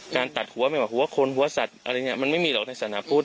ตัดหัวไม่ว่าหัวคนหัวสัตว์อะไรอย่างนี้มันไม่มีหรอกในสถานพุทธ